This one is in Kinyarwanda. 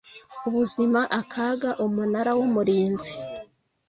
ubuzima akaga umunara w umurinzi